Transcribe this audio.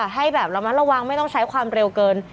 ให้แบบระมัดระวังไม่ต้องใช้ความเร็วเกิน